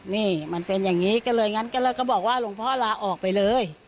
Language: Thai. นี่มันเป็นอย่างนี้ก็เลยงั้นก็เลยบอกว่าหลวงพ่อลาออกไปเลย